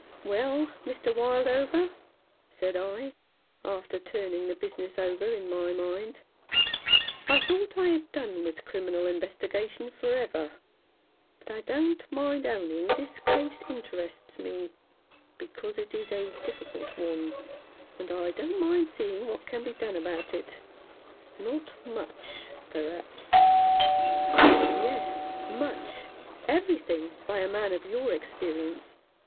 "Well, Mr. Wildover," said I, after turning the business over in my mind, " I thought I had done with criminal investigation for ever ; but I don't mind owning this case interests me, because it is a difficult one, and I don't mind seeing what can be done in it Not much, perhaps." "Yes, much — everything — by a man of your experience.